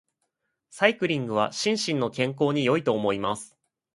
サイクリングは心身の健康に良いと思います。